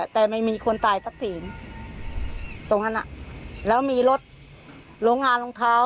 แต่ไม่มีคนตายสักทีตรงนั้นอ่ะแล้วมีรถโรงงานรองเท้า